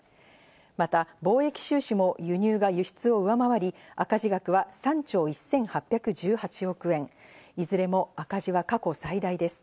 また貿易収支も輸入が輸出を上回り、赤字額は３兆１８１８億円、いずれも赤字は過去最大です。